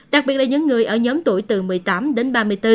đặc biệt là những người ở nhóm tuổi từ một mươi tám đến ba mươi bốn